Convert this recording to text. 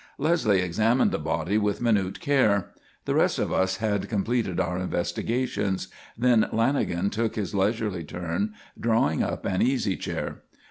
Leslie examined the body with minute care. The rest of us had completed our investigations. Then Lanagan took his leisurely turn, drawing up an easy chair.